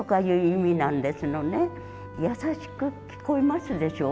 優しく聞こえますでしょ。